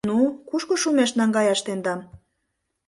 — Ну, кушко шумеш наҥгаяш тендам